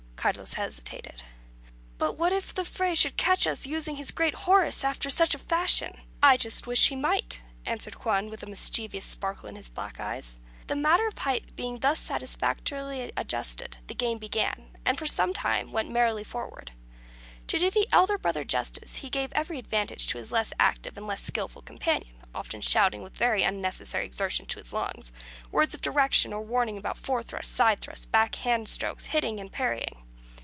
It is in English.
Carlos hesitated. "But what if the Fray should catch us using our great Horace after such a fashion!" "I just wish he might," answered Juan, with a mischievous sparkle in his black eyes. The matter of height being thus satisfactorily adjusted, the game began, and for some time went merrily forward. To do the elder brother justice, he gave every advantage to his less active and less skilful companion; often shouting (with very unnecessary exertion of his lungs) words of direction or warning about fore thrust, side thrust, back hand strokes, hitting, and parrying.